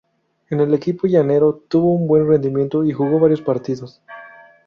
En el equipo llanero, tuvo un buen rendimiento y jugó varios partidos.